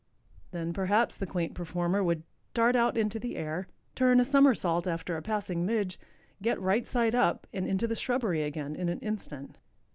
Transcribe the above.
Then perhaps the quaint performer would dart out into the air, turn a somersault after a passing midge, get right side up and into the shrubbery again in an instant."